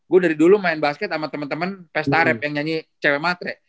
gue dari dulu main basket sama temen temen pesta rap yang nyanyi cewe matre